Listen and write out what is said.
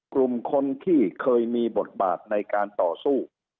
กลุ่มคนที่เคยมีบทบาทในการต่อสู้